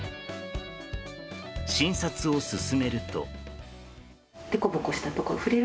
診察を進めると。